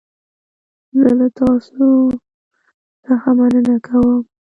زه له تاسو څخه مننه کوم.